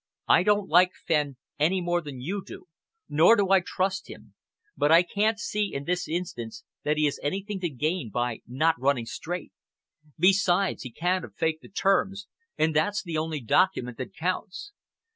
I don't like Fenn any more than you do, nor do I trust him, but I can't see, in this instance, that he has anything to gain by not running straight. Besides, he can't have faked the terms, and that's the only document that counts.